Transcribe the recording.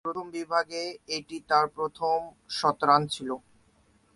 প্রথম বিভাগে এটি তার প্রথম শতরান ছিল।